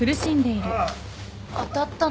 あたったの？